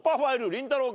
りんたろー。